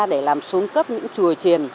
để làm xuống cấp những chùa triền